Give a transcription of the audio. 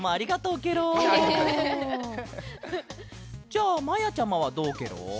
じゃあまやちゃまはどうケロ？